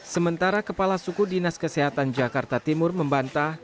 sementara kepala suku dinas kesehatan jakarta timur membantah